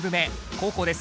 後攻です。